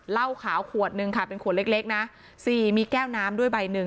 เหล้าขาวขวดหนึ่งค่ะเป็นขวดเล็กนะสี่มีแก้วน้ำด้วยใบหนึ่ง